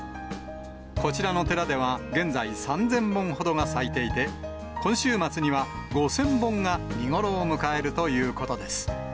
こちらの寺では現在、３０００本ほどが咲いていて、今週末には、５０００本が見頃を迎えるということです。